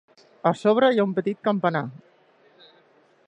A sobre hi ha un petit campanar.